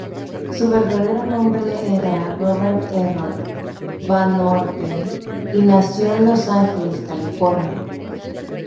Su verdadero nombre era Robert Errol Van Orden, y nació en Los Ángeles, California.